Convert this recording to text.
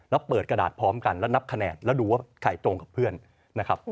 แล้วเปิดกระดาษพร้อมกันแล้วนับคะแนนแล้วดูว่าใครตรงกับเพื่อนนะครับ